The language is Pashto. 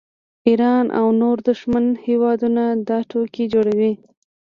ایران او نور دښمن هیوادونه دا ټوکې جوړوي